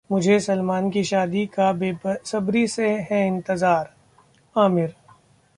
मुझे सलमान की शादी का बेसब्री से इंतजार है: आमिर